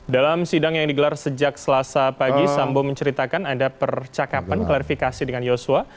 dalam sidang yang digelar sejak selasa pagi sambo menceritakan ada percakapan klarifikasi dengan yosua